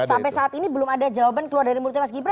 sampai saat ini belum ada jawaban keluar dari mulutnya mas gibran